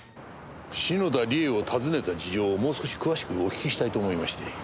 篠田理恵を訪ねた事情をもう少し詳しくお聞きしたいと思いまして。